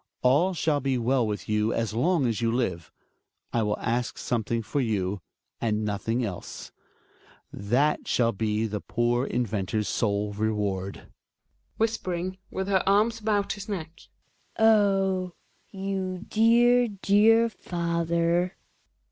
All ehall be well with you as long as you live. I will ask something for you — and nothing else. ITio/ shall be the poor inventor's sole reward. 82 THE WILD DUCK, Hedvig {whispering, tmth her arms about his neck). Oh ! you dear, dear father